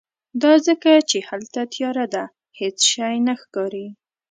دا ځکه چې هلته تیاره ده، هیڅ شی نه ښکاری